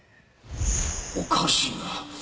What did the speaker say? おかしいな